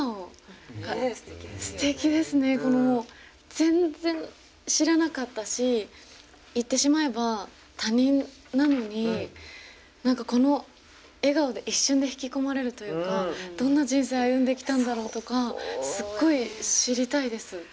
全然知らなかったし言ってしまえば他人なのに何かこの笑顔で一瞬で引き込まれるというかどんな人生を歩んできたんだろうとかすごい知りたいです。